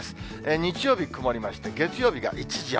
日曜日、曇りまして、月曜日が一時雨。